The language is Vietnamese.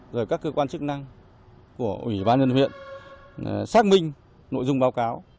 rồi các cơ quan chức năng của ủy ban nhân huyện xác minh nội dung báo cáo